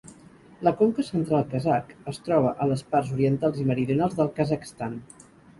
La conca central kazakh es troba a les parts orientals i meridionals del Kazakhstan.